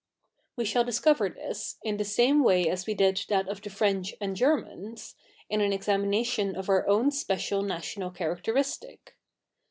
' We shall discover this, in the sa??ie ivay as we did that of the F?'e?ich and Ge?'??ians, in an examination of our own special national characteristic.